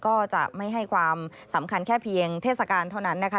ก็จะไม่ให้ความสำคัญแค่เพียงเทศกาลเท่านั้นนะคะ